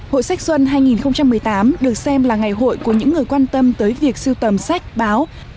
hội sách xuân hai nghìn một mươi tám được xem là ngày hội của những người quan tâm tới việc siêu tầm sách báo